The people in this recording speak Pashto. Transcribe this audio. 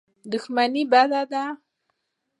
دښمني بده ده.